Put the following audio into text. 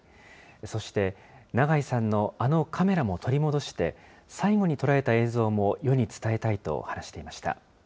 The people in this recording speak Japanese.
そして、長井さんのあのカメラも取り戻して、最後に捉えた映像も世に伝えたいと話していました。